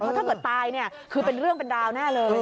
เพราะถ้าเกิดตายคือเป็นเรื่องเป็นราวแน่เลย